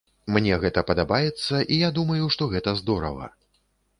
Мне гэта падабаецца, і я думаю, што гэта здорава.